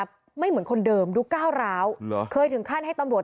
ปกติไม่เหมือนคนเดิมดูเเข้าราวเคยถึงขั้นให้ตำรวจ